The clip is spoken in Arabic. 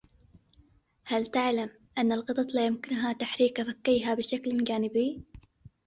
هل تعلم أن القطط لا يمكنها تحريك فكّيها بشكل جانبي.